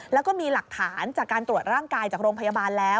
แล้วก็มีหลักฐานจากการตรวจร่างกายจากโรงพยาบาลแล้ว